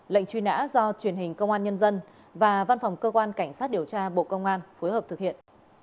lệnh truy nã do truyền hình công an nhân dân và văn phòng cơ quan cảnh sát điều tra bộ công an phối hợp thực hiện